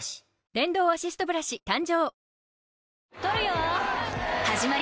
電動アシストブラシ誕生！